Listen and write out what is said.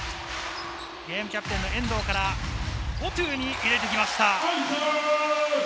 ゲームキャプテンの遠藤からフォトゥに入れてきました。